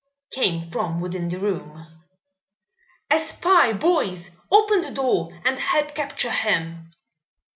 came from within the room. "A spy, boys! Open the door and help capture him!"